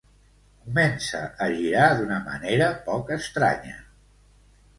Comença a girar d'una manera poc estranya.